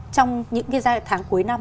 trong những cái tháng cuối năm